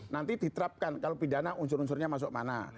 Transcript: nanti diterapkan kalau pidana unsur unsurnya masuk mana